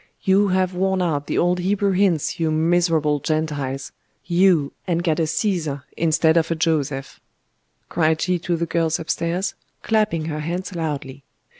You have worn out the old Hebrew hints, you miserable Gentiles, you, and got a Caesar instead of a Joseph! Hist, you hussies!' cried she to the girls upstairs, clapping her hands loudly.